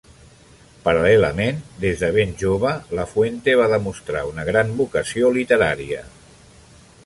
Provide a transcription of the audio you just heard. Paral·lelament, des de ben jove, Lafuente va demostrar una gran vocació literària.